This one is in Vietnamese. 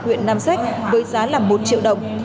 huyện nam sách với giá là một triệu đồng